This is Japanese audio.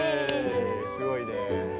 すごいねぇ。